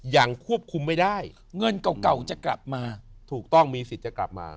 ยังควบคุมไม่ได้เงินเก่าจะกลับมาถูกต้องมีสิทธิ์จะกลับมา